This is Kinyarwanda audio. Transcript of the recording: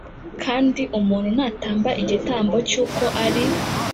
Kandi umuntu natamba igitambo cy uko ari